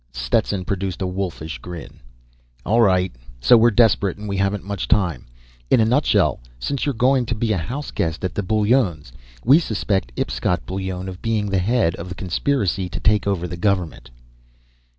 Stetson produced a wolfish grin. "All right. So we're desperate, and we haven't much time. In a nutshell, since you're going to be a house guest at the Bullones' we suspect Ipscott Bullone of being the head of a conspiracy to take over the government."